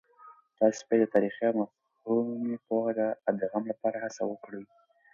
تاسې باید د تاريخي او مفهومي پوهه د ادغام لپاره هڅه وکړئ.